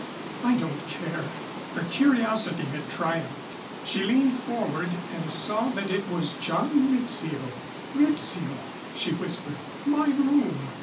"I don't care." Her curiosity had triumphed. She leaned forward and saw that it was John Rizzio. "Rizzio!" she whispered. "My room!"